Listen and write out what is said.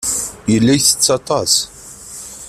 Yella yettett aṭas.